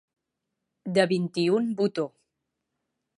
De vint-i-un botó.